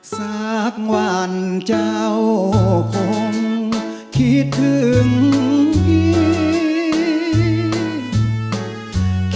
สักวันเจ้าคงคิดถึงพี่